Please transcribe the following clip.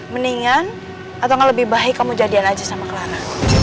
mendingan atau lebih baik kamu jadian aja sama kelana